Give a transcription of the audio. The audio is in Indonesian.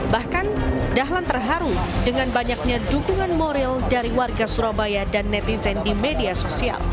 bahkan dahlan terharu dengan banyaknya dukungan moral dari warga surabaya dan netizen di media sosial